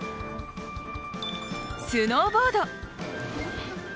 スノーボード！